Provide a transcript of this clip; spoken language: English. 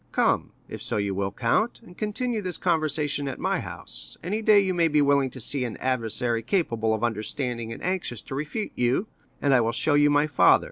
Come, if so you will, count, and continue this conversation at my house, any day you may be willing to see an adversary capable of understanding and anxious to refute you, and I will show you my father, M.